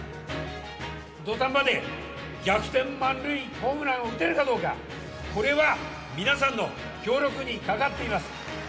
土壇場で逆転満塁ホームランを打てるかどうか、これは、皆さんの協力にかかっています。